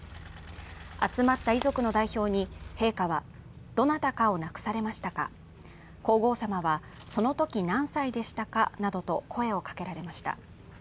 集まった遺族の代表に陛下は、どなたかを亡くされましたか、皇后さまはそのとき何歳でしたかなどと声をかけられました。